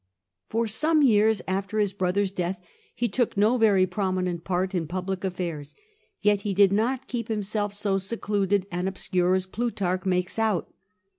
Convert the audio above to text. For some years after his brother's death he took no very prominent part in public affairs ; yet he did not keep him self so secluded and obscure as Plutarch makes out.